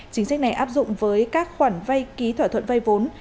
chính sách này áp dụng với các khoản vay ký thỏa thuận vay vốn